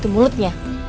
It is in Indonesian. tante andis jangan